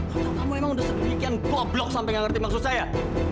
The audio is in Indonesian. waktu kamu emang udah sedemikian boblok sampai nggak ngerti maksud saya